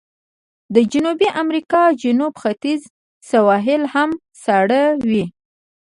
د جنوبي امریکا جنوب ختیځ سواحل هم سړ وي.